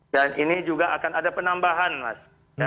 dan ini juga akan ada penambahan mas